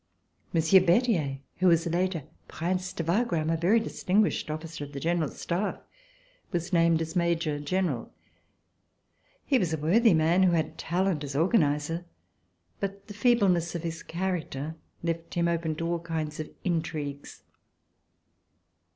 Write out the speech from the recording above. Monsieur Berthier, who was later Prince de Wa gram, a very distinguished officer of the General Staff, was named as Major General. He was a worthy man who had talent as organizer, but the feebleness of his character left him open to all kinds of intrigues.